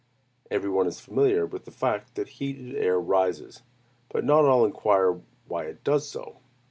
Every one is familiar with the fact that heated air rises; but not all inquire why it does so.